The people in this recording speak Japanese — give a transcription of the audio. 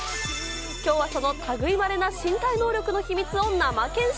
きょうはそのたぐいまれな身体能力の秘密を生検証。